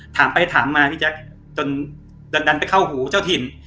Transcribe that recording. ถามไปถามมาพี่แจ๊คจนดันไปเข้าหูเจ้าถิ่น